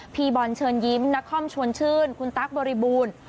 พี่บ่นเชิญยิ้มนคร่อมชวนชื่นทรุวริบูรณ์